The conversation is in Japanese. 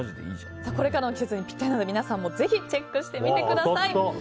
これからの季節にぴったりなので皆さんもぜひチェックしてみてください。